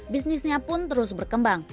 bisnisnya pun terus berkembang